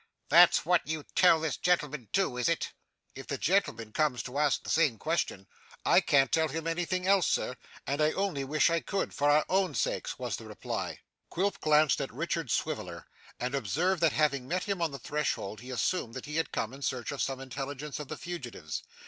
'That's what you tell this gentleman too, is it?' 'If the gentleman comes to ask the same question, I can't tell him anything else, sir; and I only wish I could, for our own sakes,' was the reply. Quilp glanced at Richard Swiveller, and observed that having met him on the threshold, he assumed that he had come in search of some intelligence of the fugitives.